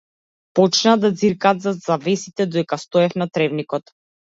Почнаа да ѕиркаат зад завесите додека стоев на тревникот.